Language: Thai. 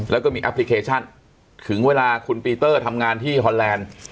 แล้วก็มีแอปพลิเคชันถึงเวลาคุณปีเตอร์ทำงานที่ฮอนแลนด์